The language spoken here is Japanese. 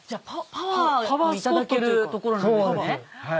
パワーをいただける所なんですね？